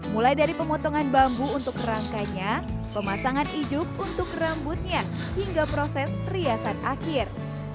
mulai dari pemotongan bambu untuk kerangkanya pemasangan ijuk untuk rambutnya hingga proses riasan akhir